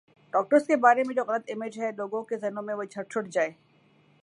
doctors کے بارے میں جو غلط امیج ہے لوگوں کے ذہنوں میں وہ چھٹ جائے